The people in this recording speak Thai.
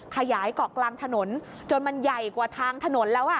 ขยายเกาะกลางถนนจนมันใหญ่กว่าทางถนนแล้ว